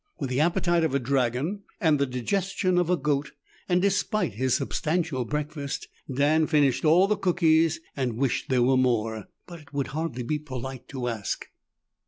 With the appetite of a dragon and the digestion of a goat, and despite his substantial breakfast, Dan finished all the cookies and wished there were more. But it would hardly be polite to ask.